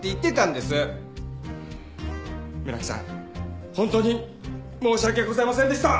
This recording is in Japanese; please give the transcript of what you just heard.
村木さん本当に申し訳ございませんでした！